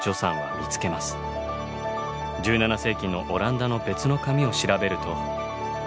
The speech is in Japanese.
１７世紀のオランダの別の紙を調べると。